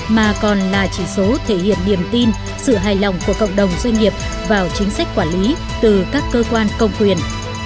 mà còn là chỉ số thể hiện niềm tin sự hài lòng của cộng đồng doanh nghiệp vào chính sách quản lý từ các cơ quan công quyền